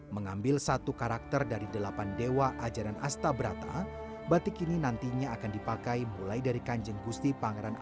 mengambil satu karakter dari delapan dewa ajaran astabrata batik ini nantinya akan dipakai mulai dari kanjeng gusti pangeran